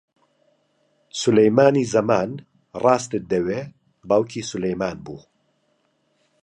سولەیمانی زەمان، ڕاستت دەوێ، باوکی سولەیمان بوو